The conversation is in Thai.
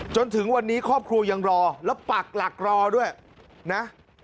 จนถึงวันนี้ครอบครัวยังรอแล้วปักหลักรอด้วยนะ